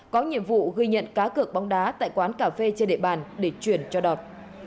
có nhiệm vụ ghi nhận cá cược bóng đá tại quán cà phê trên địa bàn để chuyển cho đọt